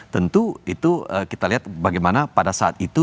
tentu itu kita lihat bagaimana pada saat itu